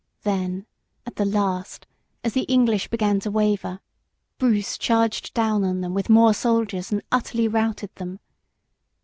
Then at the last, as the English began to waver, Bruce charged down on them with more soldiers and utterly routed them.